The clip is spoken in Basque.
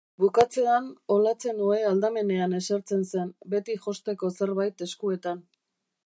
Bukatzean, Olatzen ohe aldamenean esertzen zen, beti josteko zerbait eskuetan.